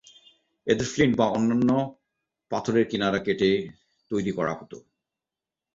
এদের ফ্লিন্ট বা অন্যান্য পাথরের কিনারা কেটে তৈরি করা হতো।